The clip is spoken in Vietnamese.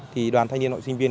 thì đoàn thanh niên nội sinh viên